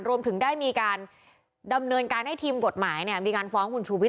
รวมถึงได้มีการดำเนินการให้ทีมกฎหมายมีการฟ้องคุณชูวิท